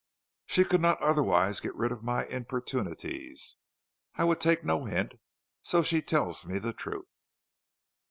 "She could not otherwise get rid of my importunities. I would take no hint, and so she tells me the truth."